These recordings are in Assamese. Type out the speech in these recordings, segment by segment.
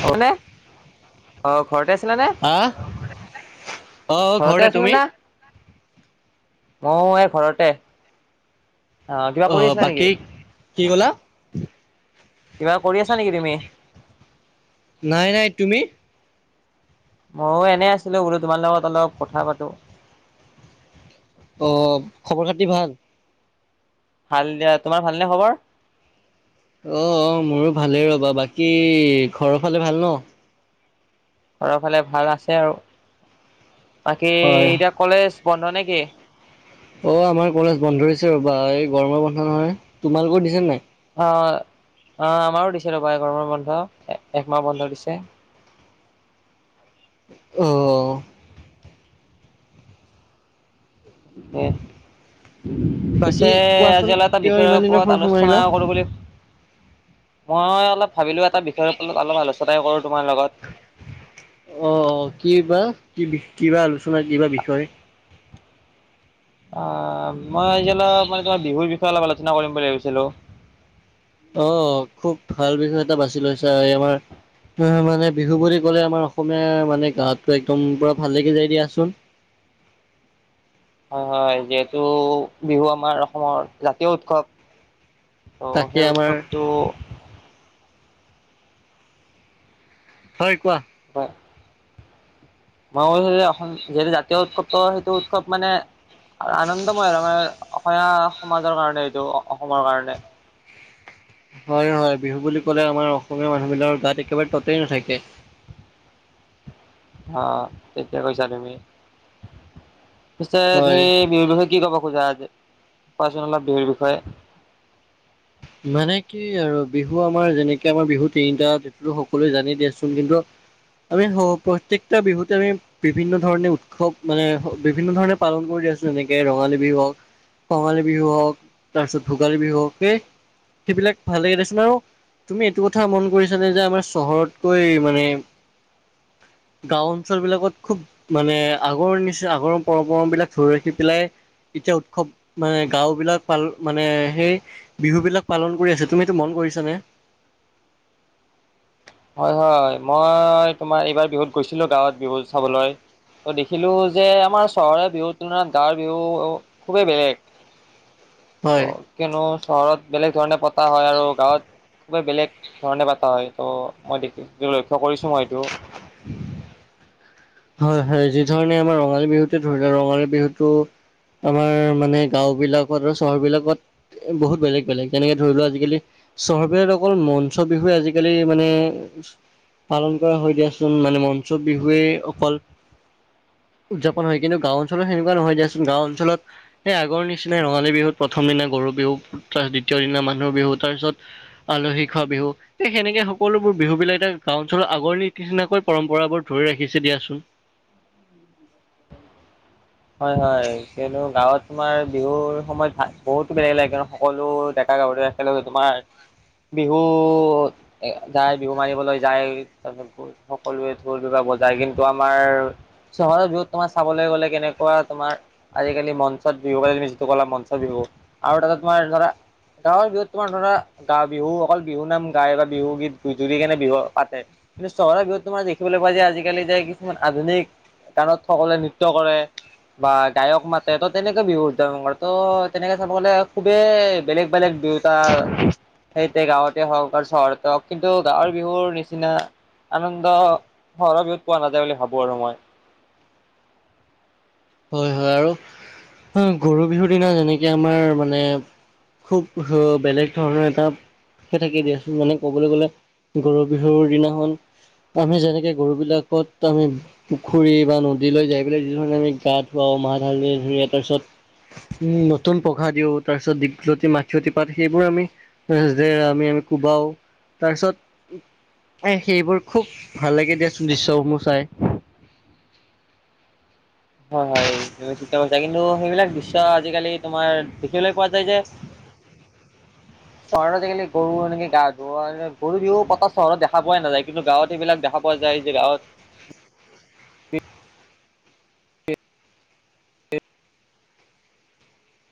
অন' কোনে অ' ঘৰতে আছিলা নে? হা অ' ঘৰতে আছিলা তুমি নে? মও এ ঘৰতে। অ' কিবা কৰি অ'হ আছিলা নেকি? বাকী কি ক'লা? কিবা কৰি আছা নেকি তুমি? নাই নাই তুমি? ময়ো এনেই আছিলো বোলো, তোমাৰ লগত অলপ কথা পাতো। অ' খবৰ খাতি ভাল? ভাল দিয়া, তোমাৰ ভাল নে খবৰ? অ' অ' মোৰো ভালেই ৰ'বা, বাকী ঘৰৰ ফালে ভাল ন' ঘৰৰ ফালে ভাল আছে আৰু বাকী হয়। এতিয়া কলেজ বন্ধ নে কি? অ' আমাৰ কলেজ বন্ধ দিছে ৰ'বা। এই গৰমৰ বন্ধ নহয়, তোমালোকৰ দিছে নাই? অ' অ' আমাৰো দিছে ৰ'বা এই গৰমৰ বন্ধ একমাহ বন্ধ দিছে। অ' অ' এঁ বাকী পিছে কোৱাচোন আজি আলা এটা কিয় বিষয়ৰ ইমান দিনৰ ওপৰত ফোন মাৰিলা? আলোচনা কৰো বুলি। মই অলপ ভাবিলো, এটা বিষয়ৰ ওপৰত অলপ আলোচনাই কৰো তোমাৰ লগত। অ' অ' কি বা কি কিবা আলোচনা কি বা বিষয়। অ' মই আজি অলপ মানে তোমাৰ বিহুৰ বিষয়ে অলপ আলোচনা কৰিম বুলি ভাবিছিলো। অ' খুব ভাল বিষয় এটা বাছি লৈছা, এ আমাৰ হ হ মানে বিহু বুলি ক'লে আমাৰ অসমীয়াৰ মানে গাতো একদম পুৰা ভাল লাগি যায় দিয়াচোন। হয় হয়, যিহেতু বিহু আমাৰ অসমৰ জাতীয় উৎসৱ। ত' তাকে সেই আমাৰ উৎসৱটো। হয় কোৱা। হয়। মই কৈছো যে অসম, যিহেতু জাতীয় উৎসৱটো সেইটো খুব মানে আনন্দময় তমাৰ অসমীয়া সমাজৰ কাৰণে এইটো অসমৰ কাৰণে। হয় হয় বিহু বুলি ক'লে আমাৰ অসমীয়া মানুহ বিলাকৰ গাত একেবাৰে ততেই নাথাকে। অ' ঠিকে কৈছা তুমি। পিছে হয় তুমি বিহুৰ বিষ কি ক'ব খোজা আজ, কোৱাচন অলপ বিহুৰ বিষয়ে। মানে কি আৰু বিহু আমাৰ যেনেকে আমাৰ বিহু তিনিটা সকলোৱে জানি দিয়াচোন কিন্তু আমি স প্ৰত্যেকটা বিহুত আমি বিভিন্ন ধৰণে উৎসৱ মানে বিভিন্ন ধৰণে পালন কৰি আছোঁ যেনেকে ৰঙালী বিহু হওক। কঙালী বিহু হওক তাৰপিছত ভোগালী বিহু হওকে সেইবিলাক ভাল লাগে দেচোন আৰু। তুমি এইটো কথা মন কৰিছানে যে আমাৰ চহৰতকৈ মানে গাঁও অঞ্চলবিলাকত খুব মানে আগৰ নিচিনা, আগৰ পৰম্পৰাবিলাক ধৰি ৰাখি পেলাই এতিয়া উৎসৱ মানে গাঁওবিলাক পাল মানে সেই বিহু বিলাক পালন কৰি আছে তুমি এইটো মন কৰিছানে? হয় হয়, মই তোমাৰ এইবাৰ বিহুত গৈছিলোঁ গাঁৱত বিহু চাবলৈ। ত' দেখিলোঁ যে আমাৰ চহৰে বিহুৰ তুলনাত গাঁৱৰ বিহু খুবেই বেলেগ। ত' হয় কিয়নো চহৰত বেলেগ ধৰণে পতা হয় আৰু গাঁৱত ক'বাত বেলেগ ধৰণে পতা হয় ত' মই দেখ লক্ষ্য কৰিছোঁ মই সেইটো। হয় হয়, যি ধৰণে আমাৰ ৰঙালী বিহুতে ধৰিলে ৰঙালী বিহুটো আমাৰ মানে গাঁওবিলাকত আৰু চহৰবিলাকত বহুত বেলেগ বেলেগ যেনেকে ধৰি লোৱা আজিকালি চহৰবিলাকত অকল মঞ্চ বিহুৱে আজিকালি মানে পালন কৰা হয় দিয়াচোন মানে মঞ্চ বিহুৱে অকল উদযাপন হয় কিন্তু গাঁও অঞ্চলত সনেকুৱা নহয় দিয়াচোন গাঁও অঞ্চত এই আগৰ নিচিনা ৰঙালী বিহুত প্ৰথম দিনা গৰু বিহু তাৰ দ্বিতীয় দিনা মানুহ বিহু তাৰপিছত আলহী খোৱা বিহু। তে সেনেকে সকলোবোৰ বিহু বিলাক গাওঁ অঞ্চলৰ আগৰ নিচিনাকৈ পৰম্পৰাবোৰ ধৰি ৰাখিছে দিয়া [inaudible] হয় হয় কিন্তু গাঁৱত তোমাৰ বিহুৰ সময়ত ভাল বহুতো বেলেগ লাগে, সকলো ডেকা গাভৰুৱে একলগে তোমাৰ বিহু যায়, বিহু মাৰিবলৈ যায় তাৰপিছত [unintelligible] সকলোৱে ঢোল বিবাৰ বজাই কিন্তু আমাৰ চহৰ বিহুত তোমাৰ চাবলৈ গ'লে কেনেকা কোৱা তোমাৰ আজিকালি মঞ্চত বিহু [unintelligible] তুমি যিটো ক'লা মঞ্চত বিহু আৰু তাতে তোমাৰ ধৰা গাঁৱৰ বিহুত তোমাৰ ধৰা গা বিহু অকল বিহু নাম গাই বা বিহু গীত গজুৰি কেনে বিহু পাতে। কিন্তু চহৰ বিহুত তোমাৰ দেখিবলৈ পোৱা যায় যে আজিকালি যে কিছুমান আধুনিক গানত সকলোৱে নৃত্য কৰে বা গায়ক মাতে ত' তেনেকে বিহু উদযাপন কৰে ত' তেনেকে চাব গ'লে খুবেই বেলেগ বেলেগ বিহুত তা সেইতে গাঁৱতে হওক আৰু চহৰতে হওক কিন্তু গাঁৱৰ বিহুৰ নিচিনা আনন্দ চহৰৰ বিহুত পোৱা নাযায় বুলি ভাবোঁ আৰু মই। হয় হয় আৰু গৰু বিহুৰ দিনা যেনেকে আমাৰ মানে খুব বেলেগ ধৰণৰ এটা [unintelligible] দিয়া মানে কবলৈ গ'লে গৰু বিহুৰ দিনাখন আমি যেনেকে গৰুবিলাকত আমি পুখুৰী বা নদীলৈ যাই পেলাই যি ধৰণে আমি গা ধুৱা, মাহ ঢালী ধৰি তাৰপিছত উম, নতুন পঘা দিওঁ তাৰপিছত দীঘলতি মায়তি পাত সেইবোৰ আমি নেক্সট ডে আমি আমি কোবাও তাৰপিছত এ, সেইবোৰ খুব ভাল লাগে দিয়াচোন দৃশ্যসমূহ চাই। হয় হয় [unintelligible] কিন্তু, সেইবিলাক দৃশ্য আজিকালি তোমাৰ, দেখিবলৈ পোৱা যায় যে। চহৰত আজিকালি গৰু, এনেকে গা ধোৱা, গৰু বিহু পতা চহৰত দেখা পাই নাযায়, কিন্তু গাঁৱত এইবিলাক দেখা পোৱা যাই যে গাঁৱত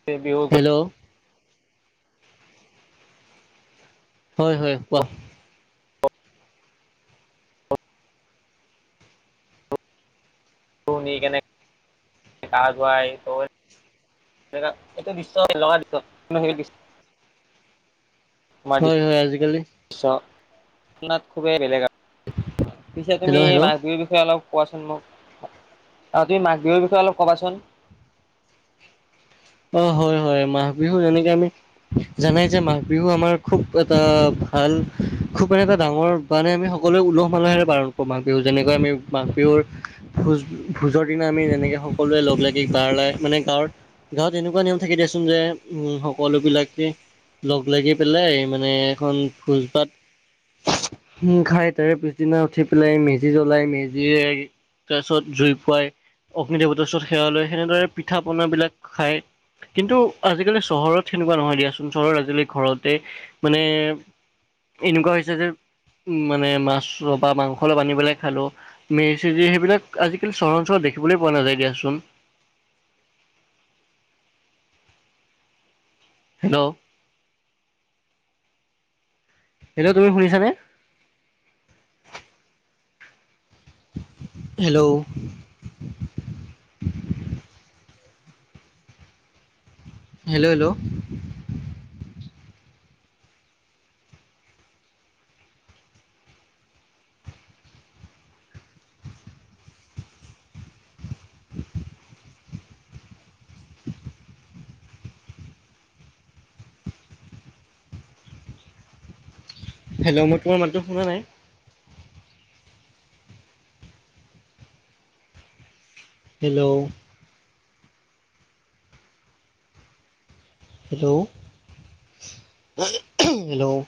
তে বিহু হেল্ল'। হয় হয়, কোৱা? [unintelligible] নি কেনে গা ধুৱাই। এইটো দৃশ্য [unintelligible] লগা দৃশ্য [unintelligible] দৃশ্য। হয় হয়, আজিকালি তুলনাত খুবেই বেলেগ আ, [unintelligible] পিছে তুমি হেল্ল' হেল্ল' মাঘ বিহুৰ বিষয়ে অলপ কোৱাচোন মোক, আৰু তুমি মাঘ বিহুৰ বিষয়ে অলপ কবাচোন। অ', হয় হয়, মাঘ বিহু যেনেকে আমি, জানাই যে মাঘ বিহু আমাৰ খুব এটা ভাল খুব মানে এটা ডাঙৰ, মানে আমি সকলোৱে উলহ মালহেৰে পালন কৰোঁ মাঘ বিহু, যেনেকৈ আমি মাঘ বিহুৰ ভোজ, ভোজৰ দিনা আমি যেনেকে সকলোৱে লগ লাগি, গাঁৱৰ লাই মানে গাঁৱত গাঁৱত এনেকুৱা নিয়ম থাকে, দিয়াচোন যে, উম সকলো বিলাকে লগ লাগি পেলাই মানে, এখন ভোজভাত উম, খাই তাৰে পিছদিনা উঠি পেলাই মেজি জ্বলাই, মেজি তাৰপিছত জুই পুৱাই, অগ্নি দেৱতাৰ ওছৰত সেৱা লয়, সেনেদৰে পিঠা পনাবিলাক খায়। কিন্তু আজিকালি চহৰত সেনেকুৱা নহয় দিয়াচোন, চহৰত আজিকালি ঘৰতেই মানে এনেকুৱা হৈছে যে, উম, মানে মাছ বা মাংস অলপ আনি পেলাই খালোঁ। মেজি চেজি, সেইবিলাক আজিকালি চহৰ অঞ্চলত দেখিবলৈ পোৱা নাযায়, দিয়াচোন। হেল্ল'। হেল্লো', তুমি শুনিছানে? হেল্ল'। Hello hello. [inaudible] হেল্ল, মই তোমাৰ মাতটো শুনা নাই। হেল্ল'। Hello, [inaudible] hello.